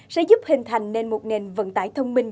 sẽ giúp hình thành nền mục nền vận tải thông minh